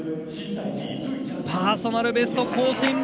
パーソナルベスト更新！